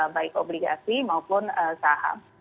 baik obligasi maupun saham